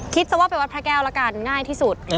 จะว่าไปวัดพระแก้วละกันง่ายที่สุด